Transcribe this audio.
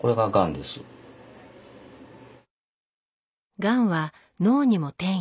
がんは脳にも転移。